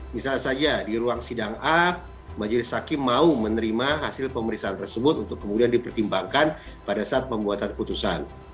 misal saja di ruang sidang a majelis hakim mau menerima hasil pemeriksaan tersebut untuk kemudian dipertimbangkan pada saat pembuatan putusan